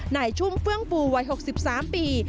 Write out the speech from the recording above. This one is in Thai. ในชุมเฟืองปูวัย๖๓ปี